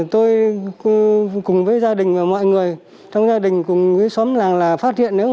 tôi cùng với gia đình và mọi người trong gia đình cùng với xóm làng là phát hiện nữa